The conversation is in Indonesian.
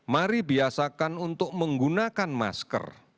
mari biasakan untuk menggunakan masker